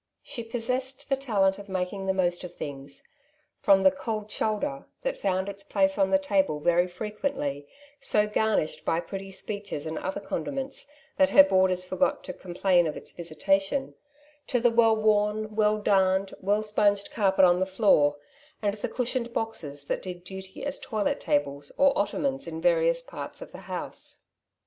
She possessed the talent of making the most of things, from the '^ cold shoulder,^^ that found its place on the table very frequently, so garnished by pretty speeches and other condiments that her boarders forgot to com plain of its visitation, to the well worn, well darned, well sponged carpet on the floor, and the cushioned boxes that did duty as toilet tables or ottomans in various parts of the house.